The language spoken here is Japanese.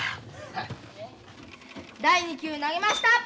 第２球投げました！